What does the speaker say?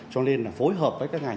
cho nên là phối hợp với các ngành